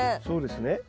そうですね。